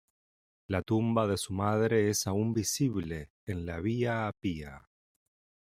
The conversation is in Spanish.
La tumba de su madre es aún visible en la Vía Apia.